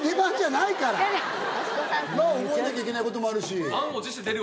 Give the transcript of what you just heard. まだ覚えなきゃいけないこともあるし。